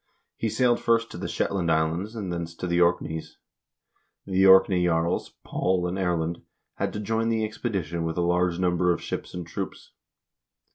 He sailed first to the Shetland Islands, and thence to the Orkneys. The Orkney jarls, Paul and Erlend, had to join the expedition with a large number of ships and troops.